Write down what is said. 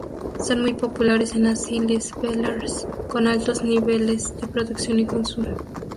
Son muy populares en las Illes Balears, con altos niveles de producción y consumo.